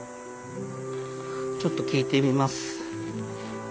ちょっと聞いてみます。